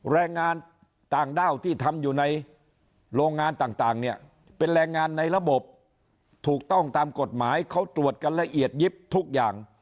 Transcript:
แรงงานต่างด้าวที่ทำอยู่ในโรงงานต่างเนี่ยเป็นแรงงานในระบบถูกต้องตามกฎหมายเขาตรวจกันละเอียดยิบทุกอย่าง